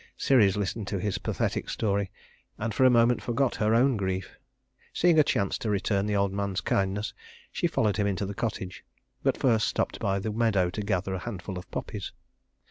Ceres listened to his pathetic story, and for a moment forgot her own grief. Seeing a chance to return the old man's kindness, she followed him into the cottage; but first stopped by the meadow to gather a handful of poppies.